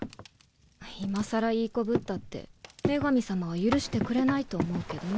今更いい子ぶったって女神様は許してくれないと思うけどね。